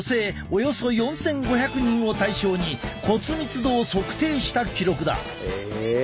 およそ４，５００人を対象に骨密度を測定した記録だ。え。